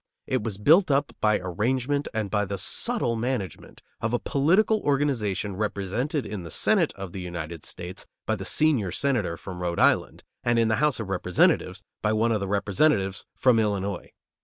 It was built up by arrangement and by the subtle management of a political organization represented in the Senate of the United States by the senior Senator from Rhode Island, and in the House of Representatives by one of the Representatives from Illinois.